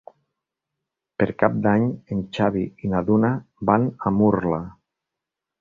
Per Cap d'Any en Xavi i na Duna van a Murla.